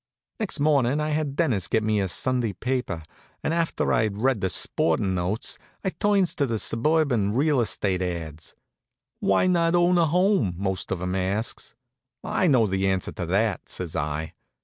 Next mornin' I had Dennis get me a Sunday paper, and after I'd read the sportin' notes, I turns to the suburban real estate ads. "Why not own a home?" most of 'em asks. "I know the answer to that," says I.